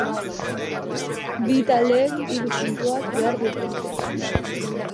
Bi taldeek hiru puntuak behar dituzte.